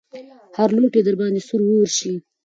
او هر لوټ يې د درباندې سور اور شي.